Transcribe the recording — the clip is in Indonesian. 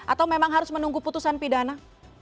atau memang harus menunggu putusan pidana